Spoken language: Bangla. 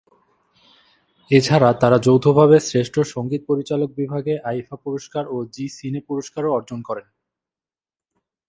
এছাড়া তারা যৌথভাবে শ্রেষ্ঠ সঙ্গীত পরিচালক বিভাগে আইফা পুরস্কার ও জি সিনে পুরস্কারও অর্জন করেন।